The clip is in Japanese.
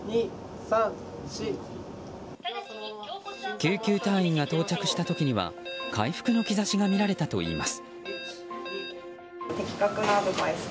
救急隊員が到着した時には回復の兆しが見られたといいます。